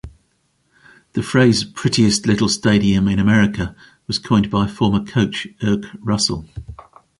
The phrase "Prettiest Little Stadium in America" was coined by former Coach Erk Russell.